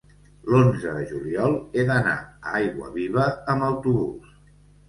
l'onze de juliol he d'anar a Aiguaviva amb autobús.